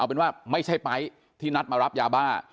เป็นว่าไม่ใช่ไป๊ที่นัดมารับยาบ้า